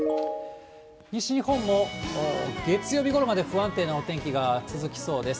西日本も月曜日ごろまで不安定なお天気が続きそうです。